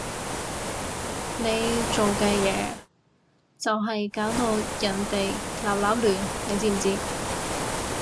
你做嘅嘢就係搞到人哋立立亂，你知唔知？